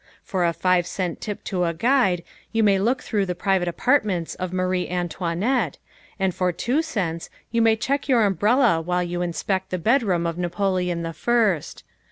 For a five cent tip to a guide you may look through the private apartments of Marie Antoinette, and for two cents you may check your umbrella while you inspect the bedroom of Napoleon the First.